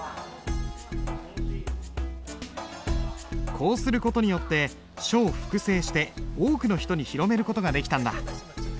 こうする事によって書を複製して多くの人に広める事ができたんだ。